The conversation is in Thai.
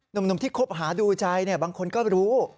หนุ่มที่คบหาดูใจบางคนก็รู้